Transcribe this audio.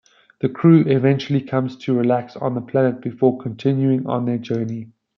The crew eventually comes to relax on the planet before continuing on their journey.